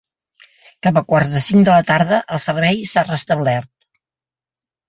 Cap a quarts de cinc de la tarda, el servei s’ha restablert.